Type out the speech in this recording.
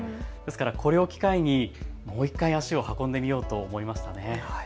これを機会にもう１回足を運んでみようと思いました。